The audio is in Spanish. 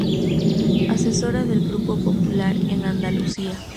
Asesora del Grupo Popular en Andalucía.